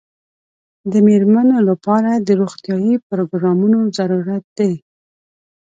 د مېرمنو لپاره د روغتیايي پروګرامونو ضرورت دی.